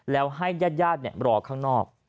แล้วให้ญาติรอข้างนอก